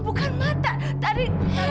bukan mata tadi